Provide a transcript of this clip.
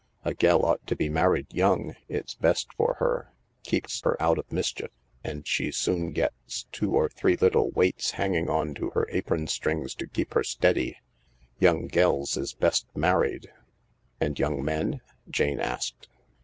A gell ought to be married young. It's best for her — keeps her out of mischief— and she soon gets two or three little weights hanging on to her apron strings to keep her steady. Young gells is best married/' " And young men ?" Jane asked.